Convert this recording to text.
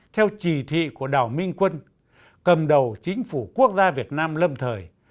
theo chỉ thị của đảo minh quân cầm đầu chính phủ quốc gia việt nam lâm thời